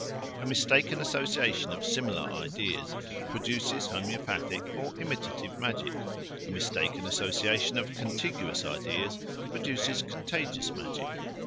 A mistaken association of similar ideas produces homoeopathic or imitative magic: a mistaken association of contiguous ideas produces contagious magic.